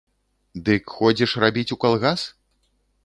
Дык ходзіш рабіць у калгас?